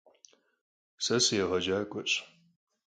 Se sıêğecak'ueş.